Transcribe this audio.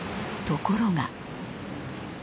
ところが。